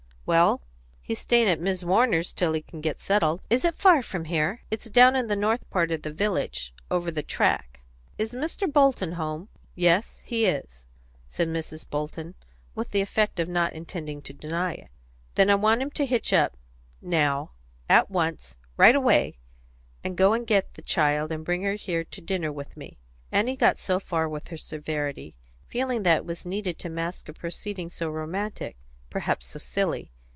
"Well, he's staying at Mis' Warner's till he can get settled." "Is it far from here?" "It's down in the north part of the village Over the Track." "Is Mr. Bolton at home?" "Yes, he is," said Mrs. Bolton, with the effect of not intending to deny it. "Then I want him to hitch up now at once right away and go and get the child and bring her here to dinner with me." Annie got so far with her severity, feeling that it was needed to mask a proceeding so romantic, perhaps so silly.